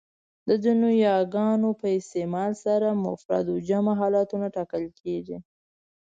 د ځینو یاګانو په استعمال سره مفرد و جمع حالتونه ټاکل کېږي.